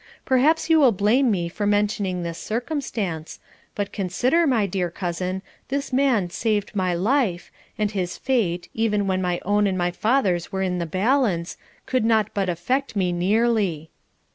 Perhaps you will blame me for mentioning this circumstance; but consider, my dear cousin, this man saved my life, and his fate, even when my own and my father's were in the balance, could not but affect me nearly.